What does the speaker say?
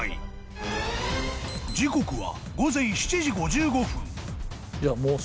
［時刻は］